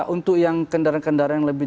untuk yang kendaraan kendaraan yang lebih